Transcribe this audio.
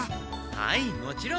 はいもちろん！